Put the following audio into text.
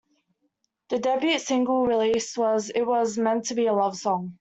The debut single released was 'It was Meant to be a Love Song'.